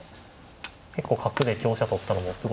結構角で香車取ったのもすごい踏み込みで。